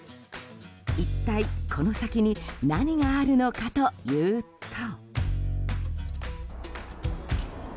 一体この先に何があるのかというと。